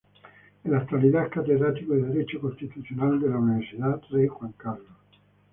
En la actualidad es catedrático de Derecho Constitucional de la Universidad Rey Juan Carlos.